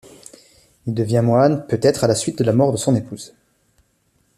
Il devient moine, peut-être à la suite de la mort de son épouse.